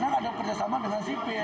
ya karena ada perjasama dengan sipe